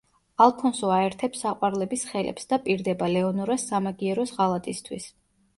ალფონსო აერთებს საყვარლების ხელებს და პირდება ლეონორას სამაგიეროს ღალატისთვის.